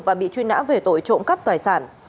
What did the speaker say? và bị truy nã về tội trộm cắp tài sản